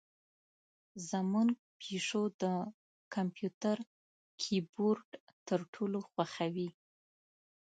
زمونږ پیشو د کمپیوتر کیبورډ تر ټولو خوښوي.